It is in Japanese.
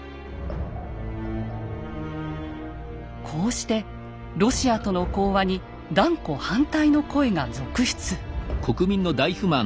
こうしてロシアとの講和に断固反対の声が続出。